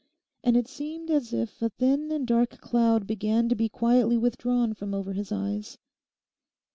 And it seemed as if a thin and dark cloud began to be quietly withdrawn from over his eyes.